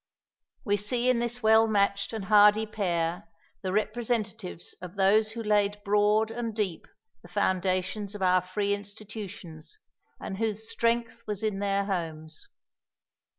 We see in this well matched and hardy pair the representatives of those who laid broad and deep the foundations of our free institutions, and whose strength was in their homes.